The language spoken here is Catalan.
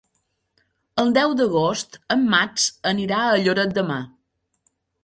El deu d'agost en Max anirà a Lloret de Mar.